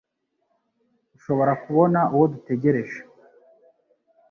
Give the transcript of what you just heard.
urashobora kubona uwo dutegereje